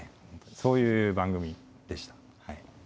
そういう番組でしたはい。